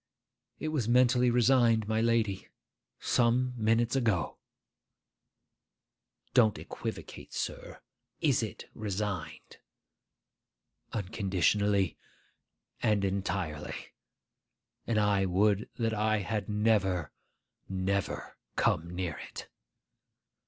'It was mentally resigned, my lady, some minutes ago.' Don't equivocate, sir. Is it resigned?' 'Unconditionally and entirely; and I would that I had never, never come near it!